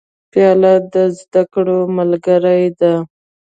پیاله د زده کړو ملګرې ده.